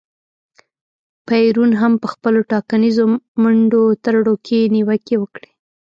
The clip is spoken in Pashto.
پېرون هم په خپلو ټاکنیزو منډو ترړو کې نیوکې وکړې.